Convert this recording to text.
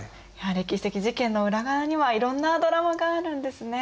歴史的事件の裏側にはいろんなドラマがあるんですね。